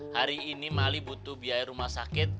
hari ini mali butuh biaya rumah sakit